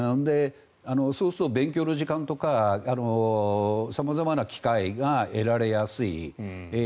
そうすると、勉強の時間とか様々な機会が得られやすい。